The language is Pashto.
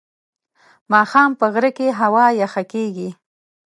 ماښام په غره کې هوا یخه کېږي.